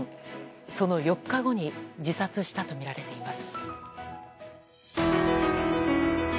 その４日後に自殺したとみられています。